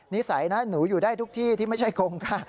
นิสัยนะหนูอยู่ได้ทุกที่ที่ไม่ใช่โครงการ